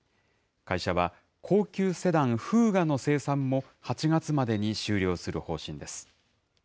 会社は、高級セダン、フーガの生産も、８月までに終了する方針です。